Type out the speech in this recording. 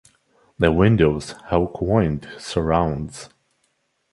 The windows have quoined surrounds.